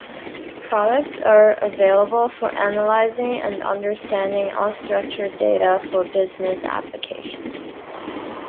Products are available for analyzing and understanding unstructured data for business applications.